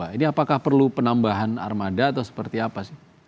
ini apakah perlu penambahan armada atau seperti apa sih